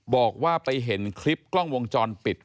บอกว่าไปเห็นคลิปกล้องวงจรปิด